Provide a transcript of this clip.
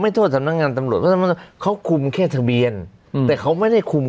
ไม่โทษถามนางการตรงเขาคุมแค่ทะเบียนแต่เขาไม่ได้คุม